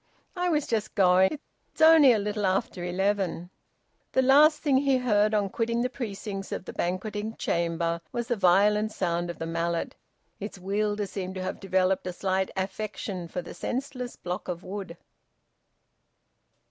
I was just going. It's only a little after eleven." The last thing he heard on quitting the precincts of the banqueting chamber was the violent sound of the mallet. Its wielder seemed to have developed a slight affection for the senseless block of wood.